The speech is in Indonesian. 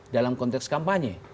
dalam konteks kampanye